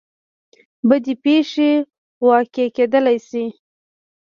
بدې پېښې واقع کېدلی شي.